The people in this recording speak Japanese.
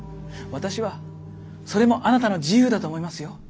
私はそれもあなたの自由だと思いますよ。